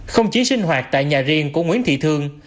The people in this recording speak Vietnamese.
không chỉ sinh hoạt tại nhà riêng của nguyễn thị thương